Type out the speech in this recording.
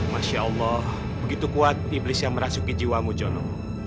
masya allah begitu kuat iblis yang merasuki jiwamu jono